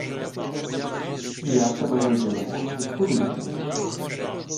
— І я-м тебе виділа. Звідкуду єси?